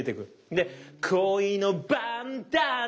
で「恋のバンダナ」。